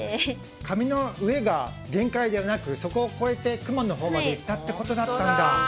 紙の上が限界じゃなくそこを超えて雲のほうまで行ったってことだったんだ。